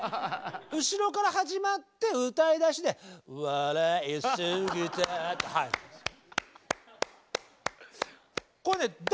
後ろから始まって歌い出しで「笑い過ぎた」って入るんです。